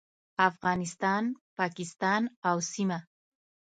افغانستان، پاکستان او سیمه